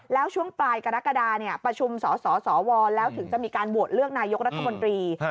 แล้วช่วงปลายกรกฎาประชุมสสวแล้วถึงจะมีการโหวตเลือกนายกรัฐมนตรี